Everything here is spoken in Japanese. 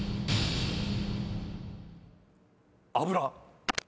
油。